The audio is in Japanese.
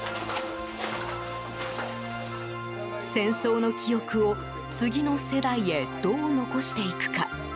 戦争の記憶を次の世代へ、どう残していくか。